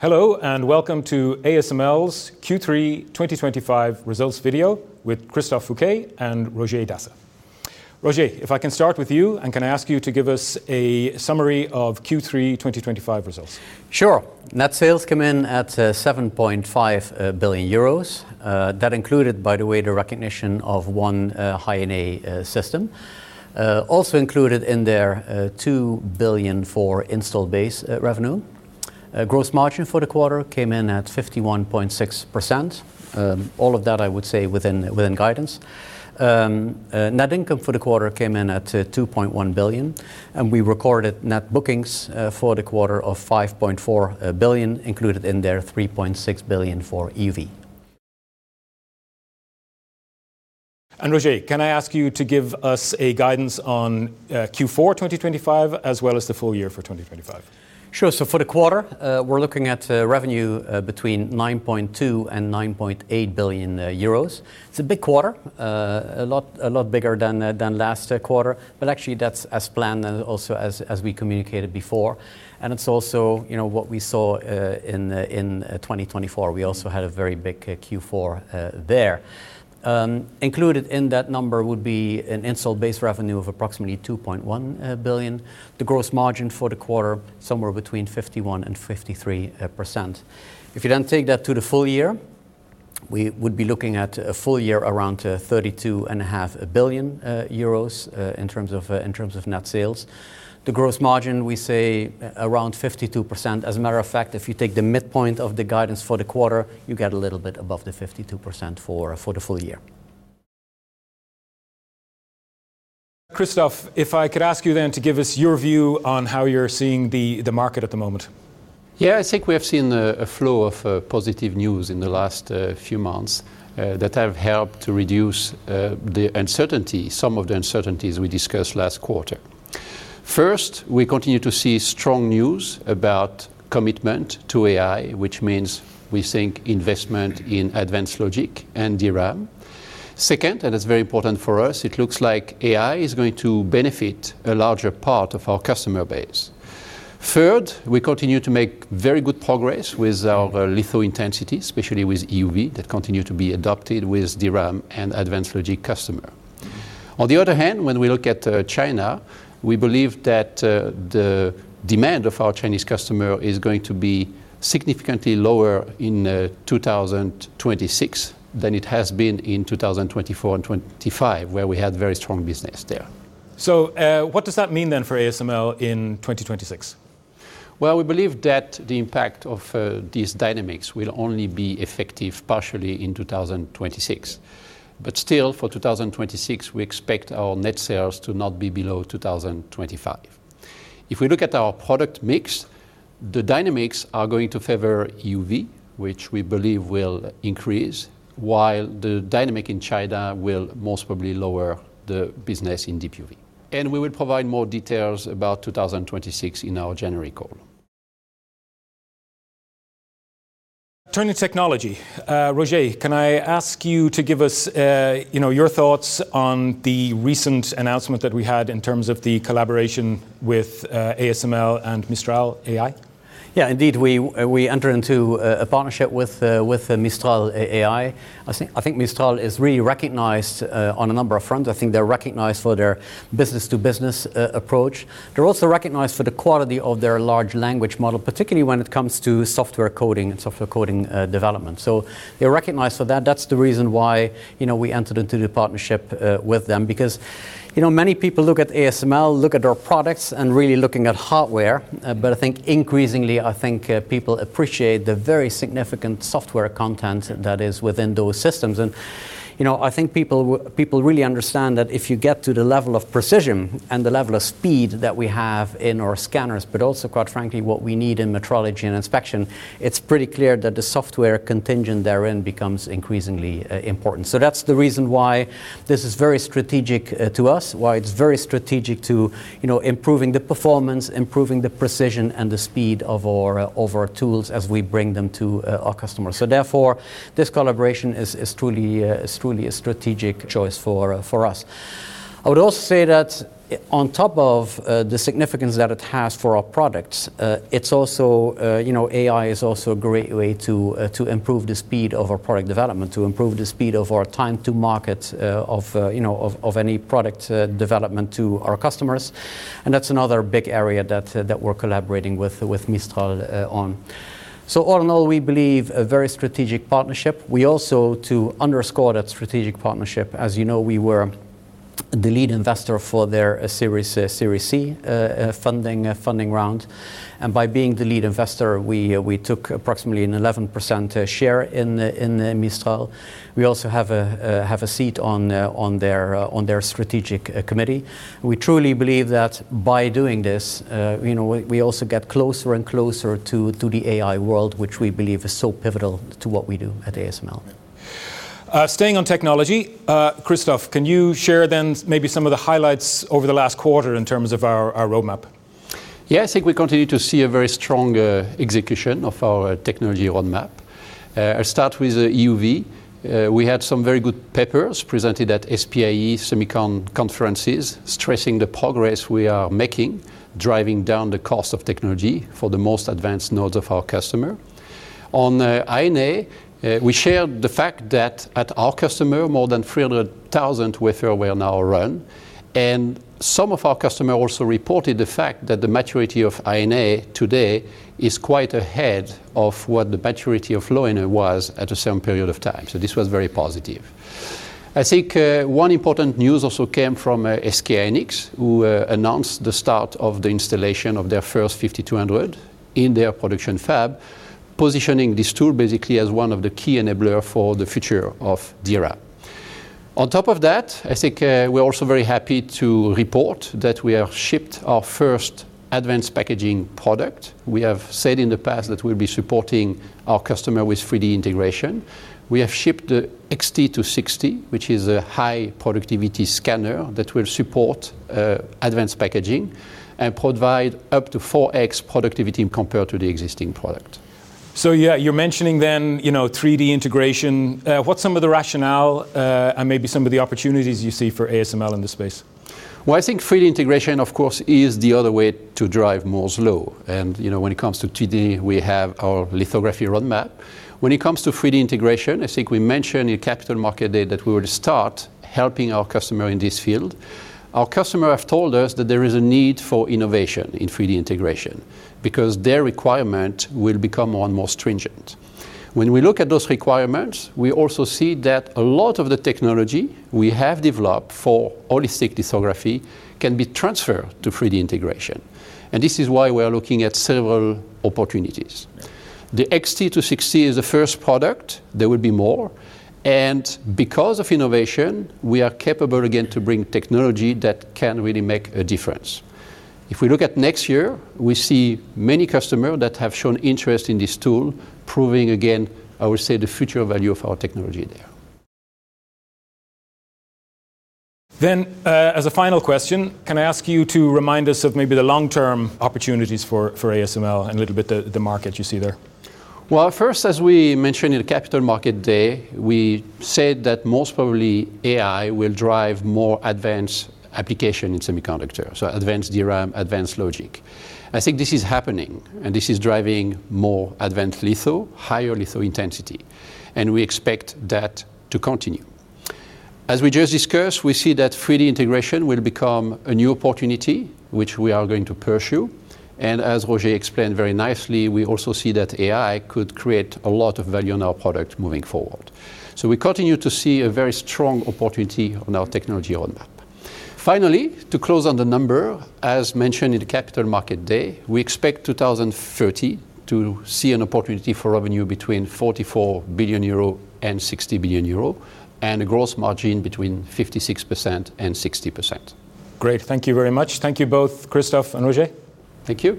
Hello and welcome to ASML's Q3 2025 results video with Christophe Fouquet and Roger Dassen. Roger, if I can start with you, can I ask you to give us a summary of Q3 2025 results? Sure. Net sales came in at 7.5 billion euros. That included, by the way, the recognition of one high-end system. Also included in there, 2 billion for install base revenue. Gross margin for the quarter came in at 51.6%. All of that, I would say, within guidance. Net income for the quarter came in at 2.1 billion. We recorded net bookings for the quarter of 5.4 billion, included in there, 3.6 billion for EUV. Roger, can I ask you to give us a guidance on Q4 2025 as well as the full year for 2025? Sure. For the quarter, we're looking at revenue between 9.2 billion and 9.8 billion euros. It's a big quarter, a lot bigger than last quarter. Actually, that's as planned and also as we communicated before. It's also what we saw in 2024. We also had a very big Q4 there. Included in that number would be an install base revenue of approximately 2.1 billion. The gross margin for the quarter is somewhere between 51% and 53%. If you then take that to the full year, we would be looking at a full year around 32.5 billion euros in terms of net sales. The gross margin, we say, around 52%. As a matter of fact, if you take the midpoint of the guidance for the quarter, you get a little bit above the 52% for the full year. Christophe, if I could ask you to give us your view on how you're seeing the market at the moment. Yeah, I think we have seen a flow of positive news in the last few months that have helped to reduce some of the uncertainties we discussed last quarter. First, we continue to see strong news about commitment to AI, which means we think investment in advanced logic and DRAM. Second, and it's very important for us, it looks like AI is going to benefit a larger part of our customer base. Third, we continue to make very good progress with our lithography intensity, especially with EUV that continue to be adopted with DRAM and advanced logic customers. On the other hand, when we look at China, we believe that the demand of our Chinese customers is going to be significantly lower in 2026 than it has been in 2024 and 2025, where we had very strong business there. What does that mean then for ASML in 2026? We believe that the impact of these dynamics will only be effective partially in 2026. Still, for 2026, we expect our net sales to not be below 2025. If we look at our product mix, the dynamics are going to favor EUV, which we believe will increase, while the dynamic in China will most probably lower the business in DUV. We will provide more details about 2026 in our January call. Turning to technology, Roger, can I ask you to give us your thoughts on the recent announcement that we had in terms of the collaboration with ASML and Mistral AI? Yeah, indeed. We entered into a partnership with Mistral AI. I think Mistral is really recognized on a number of fronts. I think they're recognized for their business-to-business approach. They're also recognized for the quality of their large language model, particularly when it comes to software coding and software coding development. They're recognized for that. That's the reason why we entered into the partnership with them. Many people look at ASML, look at their products, and really look at hardware. I think increasingly, people appreciate the very significant software content that is within those systems. I think people really understand that if you get to the level of precision and the level of speed that we have in our scanners, but also quite frankly what we need in metrology and inspection, it's pretty clear that the software contingent therein becomes increasingly important. That's the reason why this is very strategic to us, why it's very strategic to improving the performance, improving the precision, and the speed of our tools as we bring them to our customers. Therefore, this collaboration is truly a strategic choice for us. I would also say that on top of the significance that it has for our products, AI is also a great way to improve the speed of our product development, to improve the speed of our time to market of any product development to our customers. That's another big area that we're collaborating with Mistral on. All in all, we believe a very strategic partnership. We also underscore that strategic partnership, as you know, we were the lead investor for their Series C funding round. By being the lead investor, we took approximately an 11% share in Mistral. We also have a seat on their strategic committee. We truly believe that by doing this, we also get closer and closer to the AI world, which we believe is so pivotal to what we do at ASML. Staying on technology, Christophe, can you share then maybe some of the highlights over the last quarter in terms of our roadmap? Yeah, I think we continue to see a very strong execution of our technology roadmap. I'll start with EUV. We had some very good papers presented at SPIE Semicon conferences, stressing the progress we are making, driving down the cost of technology for the most advanced nodes of our customer. On High NA, we shared the fact that at our customer, more than 300,000 wafers were now run. Some of our customers also reported the fact that the maturity of High NA today is quite ahead of what the maturity of Low NA was at a certain period of time. This was very positive. I think one important news also came from SK hynix, who announced the start of the installation of their first High NA system (model 5200) in their production fab, positioning this tool basically as one of the key enablers for the future of DRAM. On top of that, I think we're also very happy to report that we have shipped our first advanced packaging product. We have said in the past that we'll be supporting our customer with 3D integration. We have shipped the XT260 advanced packaging scanner, which is a high productivity scanner that will support advanced packaging and provide up to 4x productivity compared to the existing product. You're mentioning then 3D integration. What's some of the rationale and maybe some of the opportunities you see for ASML in this space? I think 3D integration, of course, is the other way to drive Moore's Law. When it comes to 2D, we have our lithography roadmap. When it comes to 3D integration, I think we mentioned in Capital Markets Day that we would start helping our customer in this field. Our customers have told us that there is a need for innovation in 3D integration because their requirement will become more and more stringent. When we look at those requirements, we also see that a lot of the technology we have developed for holistic lithography can be transferred to 3D integration. This is why we are looking at several opportunities. The XT260 advanced packaging scanner is the first product. There will be more. Because of innovation, we are capable again to bring technology that can really make a difference. If we look at next year, we see many customers that have shown interest in this tool, proving again, I would say, the future value of our technology there. As a final question, can I ask you to remind us of maybe the long-term opportunities for ASML and a little bit the market you see there? As we mentioned in Capital Markets Day, we said that most probably AI will drive more advanced applications in semiconductors, so advanced DRAM, advanced logic. I think this is happening and this is driving more advanced lithography, higher lithography intensity. We expect that to continue. As we just discussed, we see that 3D integration will become a new opportunity, which we are going to pursue. As Roger explained very nicely, we also see that AI could create a lot of value in our product moving forward. We continue to see a very strong opportunity on our technology roadmap. Finally, to close on the number, as mentioned in Capital Markets Day, we expect 2030 to see an opportunity for revenue between 44 billion euro and 60 billion euro, and a gross margin between 56% and 60%. Great. Thank you very much. Thank you both, Christophe and Roger. Thank you.